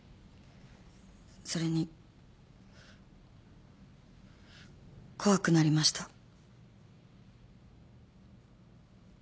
それに怖くなりました。